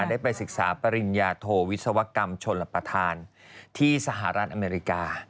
ได้ไปศึกษาปริญญาโทวิศวกรรมชนรับประทานที่สหรัฐอเมริกา